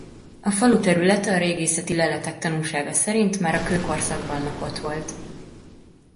A falu területe a régészeti leletek tanúsága szerint már a kőkorszakban lakott volt.